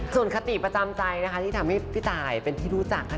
ส่วนคติประจำใจนะคะที่ทำให้พี่ตายเป็นที่รู้จักค่ะ